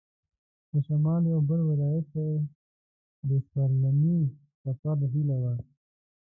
د شمال یوه بل ولایت ته د پسرلني سفر هیله وه.